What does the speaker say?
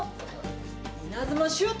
稲妻シュート！